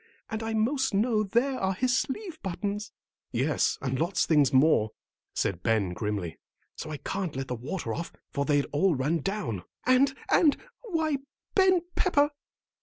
And I 'most know there are his sleeve buttons." "Yes, and lots of things more," said Ben, grimly, "so I can't let the water off, for they'd all run down." "And, and, why, Ben Pepper!"